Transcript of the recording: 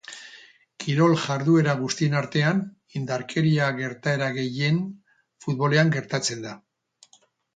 Kirol jarduera guztien artean, indarkeria gertaera gehien futbolean gertatzen da.